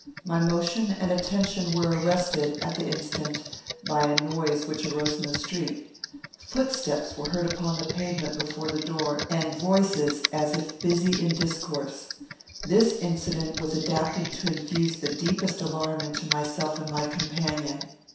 My motion and attention were arrested, at the instant, by a noise which arose in the street. Footsteps were heard upon the pavement before the door, and voices, as if busy in discourse. This incident was adapted to infuse the deepest alarm into myself and my companion.